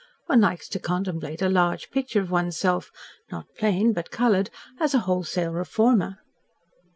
One likes to contemplate a large picture of one's self not plain, but coloured as a wholesale reformer."